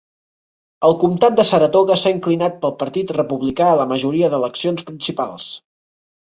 El comtat de Saratoga s'ha inclinat pel Partit Republicà a la majoria d'eleccions principals.